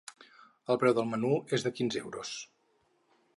El preu del menú és de quinze euros.